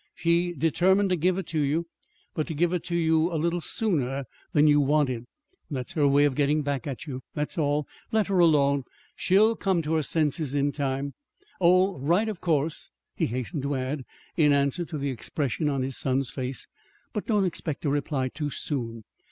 She determined to give it to you but to give it to you a little sooner than you wanted. That's her way of getting back at you. That's all. Let her alone. She'll come to her senses in time. Oh, write, of course," he hastened to add, in answer to the expression on his son's face. "But don't expect a reply too soon.